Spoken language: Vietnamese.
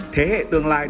thế hệ tương lai